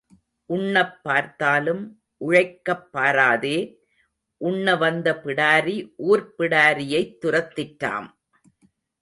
உண்ணப் பார்த்தாலும் உழைக்கப் பாராதே, உண்ண வந்த பிடாரி ஊர்ப் பிடாரியைத் துரத்திற்றாம்.